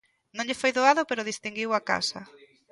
Non lle foi doado pero distinguiu a casa.